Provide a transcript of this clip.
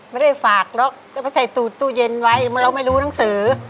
ไม่ได้ฝากหรอกเดี๋ยวไปใส่ตูดตู้เย็นไว้เราไม่รู้หนังสือ